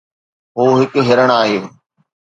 هو هڪ هرڻ آهي